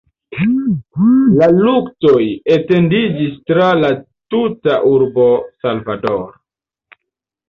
La luktoj etendiĝis tra la tuta urbo Salvador.